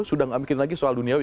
sudah nggak mikirin lagi soal duniawi